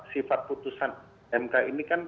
sifat putusan mk ini kan